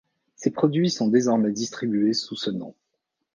Ses produits sont désormais distribués sous ce nom.